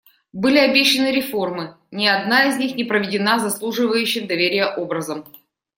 Были обещаны реформы; ни одна из них не проведена заслуживающим доверия образом.